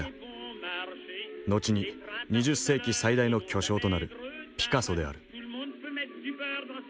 後に２０世紀最大の巨匠となるピカソである。